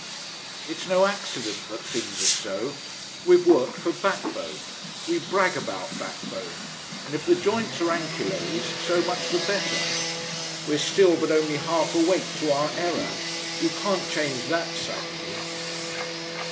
It's no accident that things are so. We've worked for backbone. We brag about backbone, and if the joints are anchylosed so much the better. We're still but only half awake to our error. You can't change that suddenly."